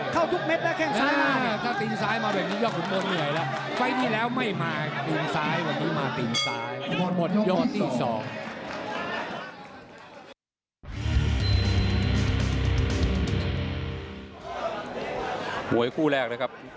เพชรเมืองยากน้ำหนวดนั่นแหละ